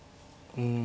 うん。